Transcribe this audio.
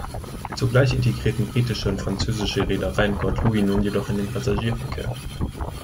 Zugleich integrierten britische und französische Reedereien Port Louis nun jedoch in den Passagierverkehr.